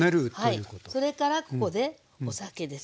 それからここでお酒です。